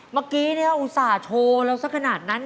เมื่อกี้เนี่ยอุตส่าห์โชว์เราสักขนาดนั้น